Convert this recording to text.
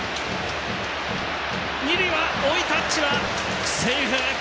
二塁は追いタッチはセーフ。